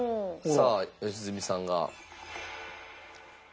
さあ良純さんが。